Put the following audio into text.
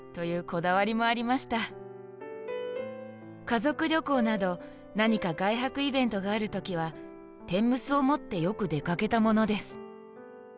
「家族旅行など何か外泊イベントがあるときは、天むすを持ってよく出かけたものです。